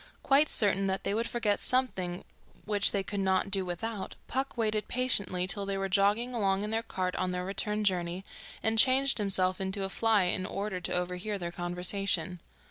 Quite certain that they would forget something which they could not do without, Puck waited patiently till they were jogging along in their cart on their return journey, and changed himself into a fly in order to overhear their conversation.